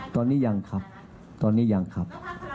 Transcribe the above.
ตอนนี้ยังขับตอนนี้ยังขับ